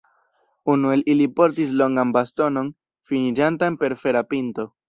Unu el ili portis longan bastonon finiĝantan per fera pinto.